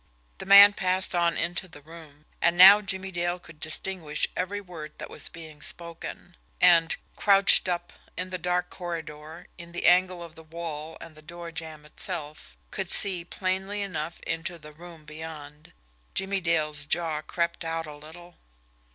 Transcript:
The man passed on into the room and now Jimmie Dale could distinguish every word that was being spoken; and, crouched up, in the dark corridor, in the angle of the wall and the door jamb itself, could see plainly enough into the room beyond. Jimmie Dale's jaw crept out a little.